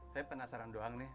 saya penasaran doang nih